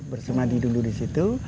bersemadi dulu di situ